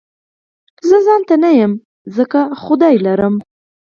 زه ځانته نه يم ځکه خدای لرم